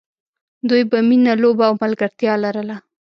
دوی به مینه، لوبه او ملګرتیا لرله.